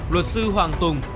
luật sư hoàng tùng